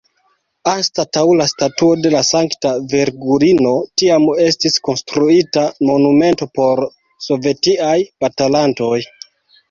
Anstataŭ la statuo de la sankta Virgulino tiam estis konstruita monumento por sovetiaj batalantoj.